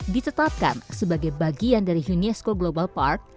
ditetapkan sebagai bagian dari unesco global park